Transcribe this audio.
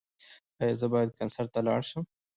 ایا زه باید کنسرت ته لاړ شم؟